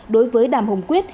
đối với đàm hồng quyết